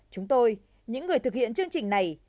chúng tôi những người thực hiện chương trình này